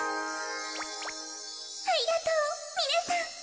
ありがとうみなさん。